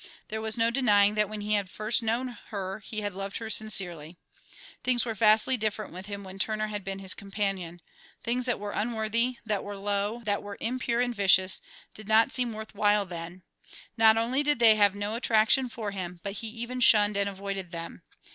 There was no denying that when he had first known her he had loved her sincerely. Things were vastly different with him when Turner had been his companion; things that were unworthy, that were low, that were impure and vicious, did not seem worth while then; not only did they have no attraction for him, but he even shunned and avoided them.